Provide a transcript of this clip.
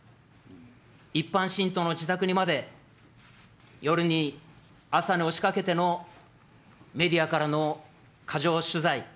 一般信徒の自宅にまで夜に朝に押しかけてのメディアからの過剰取材。